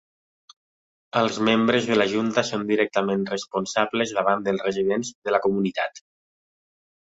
Els membres de la junta són directament responsables davant els residents de la comunitat.